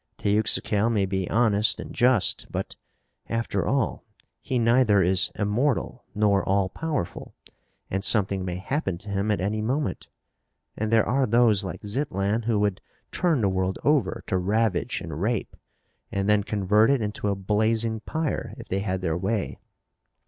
Teuxical may be honest and just but, after all, he neither is immortal nor all powerful, and something may happen to him at any moment. And there are those like Zitlan who would turn the world over to ravage and rape, and then convert it into a blazing pyre, if they had their way.